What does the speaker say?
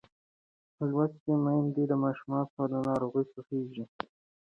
لوستې میندې د ماشوم پر ناروغۍ پوهېږي.